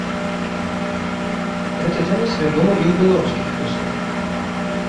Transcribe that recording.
Гэты танец вядомы і ў беларускіх вёсках.